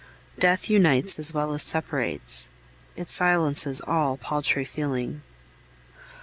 Death unites as well as separates; it silences all paltry feeling.